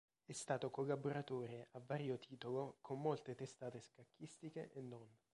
È stato collaboratore, a vario titolo, con molte testate scacchistiche e non.